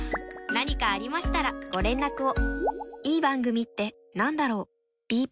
何かありましたらご連絡を。